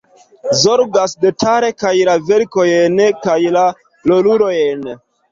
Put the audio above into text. Zorgas detale kaj la verkojn kaj la rolulojn.